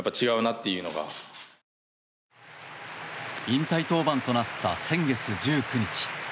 引退登板となった先月１９日。